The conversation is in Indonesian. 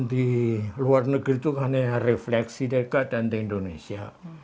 di indonesia di indonesia